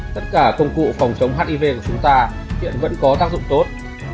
tất cả công cụ phòng chống hiv của chúng ta hiện vẫn có tác dụng tốt